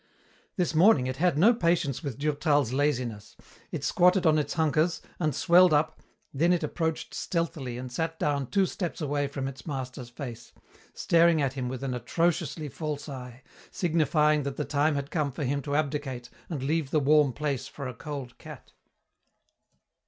This morning it had no patience with Durtal's laziness. It squatted on its hunkers, and swelled up, then it approached stealthily and sat down two steps away from its master's face, staring at him with an atrociously false eye, signifying that the time had come for him to abdicate and leave the warm place for a cold cat.